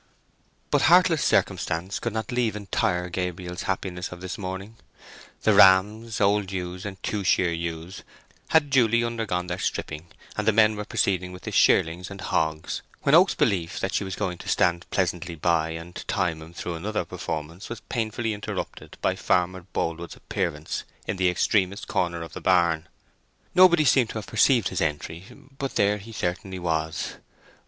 But heartless circumstance could not leave entire Gabriel's happiness of this morning. The rams, old ewes, and two shear ewes had duly undergone their stripping, and the men were proceeding with the shearlings and hogs, when Oak's belief that she was going to stand pleasantly by and time him through another performance was painfully interrupted by Farmer Boldwood's appearance in the extremest corner of the barn. Nobody seemed to have perceived his entry, but there he certainly was.